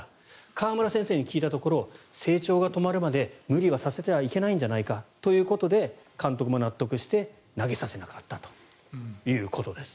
川村先生に聞いたところ成長が止まるまで無理をさせてはいけないのではということで監督も納得して投げさせなかったということです。